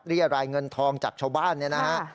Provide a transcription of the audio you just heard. เรียกรายเงินทองจากชาวบ้านเนี่ยนะฮะ